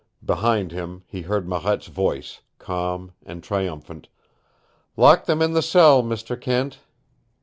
Behind him he heard Marette's voice, calm and triumphant, "Lock them in the cell, Mr. Kent!"